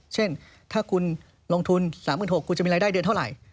เช่นถ้าคุณลงทุน๓๖๐๐คุณจะมีรายได้เดือนเท่าไหร่